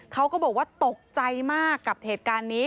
เขาก็บอกว่าตกใจมากกับเหตุการณ์นี้